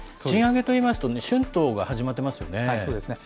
賃上げといいますと、春闘が始まってますよね。